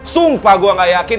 sumpah gue gak yakin